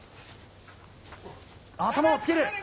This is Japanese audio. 頭をつける。